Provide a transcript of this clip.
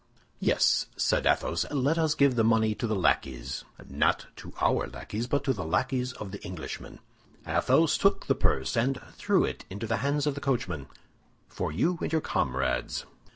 "Yes," said Athos; "let us give the money to the lackeys—not to our lackeys, but to the lackeys of the Englishmen." Athos took the purse, and threw it into the hand of the coachman. "For you and your comrades."